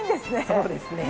そうですね。